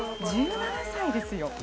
１７歳ですよ。